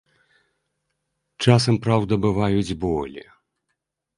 Часам, праўда, бываюць болі.